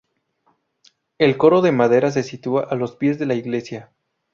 El coro de madera se sitúa a los pies de la iglesia.